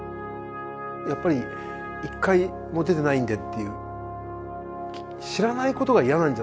やっぱり１回も出てないんでっていう。